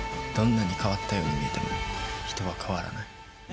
どんなに変わったように見えても人は変わらない。